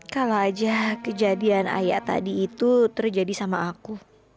kalau aja kejadian ayah tadi itu terjadi sama aku